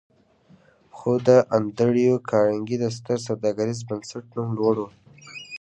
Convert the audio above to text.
خو د انډريو کارنګي د ستر سوداګريز بنسټ نوم لوړ و.